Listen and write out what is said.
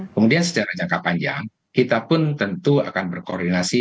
kemudian secara jangka panjang kita pun tentu akan berkoordinasi